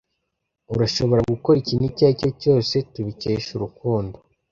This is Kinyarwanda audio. urashobora gukora ikintu icyo aricyo cyose tubikesha urukundo